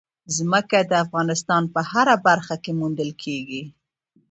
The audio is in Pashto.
ځمکه د افغانستان په هره برخه کې موندل کېږي.